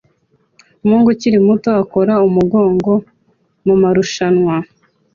Umuhungu ukiri muto akora umugongo mumarushanwa